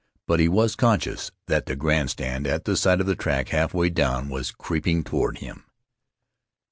But he was conscious that the grand stand, at the side of the track, half way down, was creeping toward him.